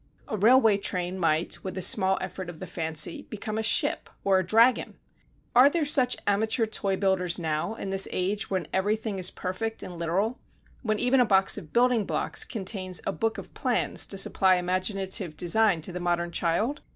A railway train might, with a small effort of the fancy, become a ship or a dragon. Are there such amateur toy builders now, in this age when everything is perfect and literal, when even a box of building blocks contains a book of plans to supply imaginative design to the modern child?